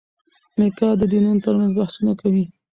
میکا د دینونو ترمنځ بحثونه کوي.